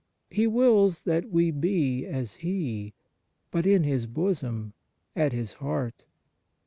He wills that we be as He, but in His bosom, at His heart.